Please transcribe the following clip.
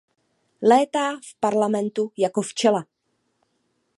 Létá v Parlamentu jako včela.